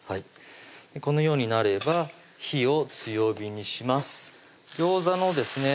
このようになれば火を強火にしますギョーザのですね